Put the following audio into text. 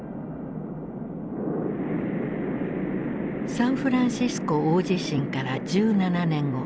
サンフランシスコ大地震から１７年後。